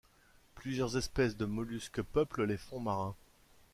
Plusieurs espèces de mollusques peuplent les fonds marins.